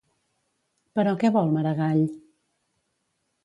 Però què vol Maragall?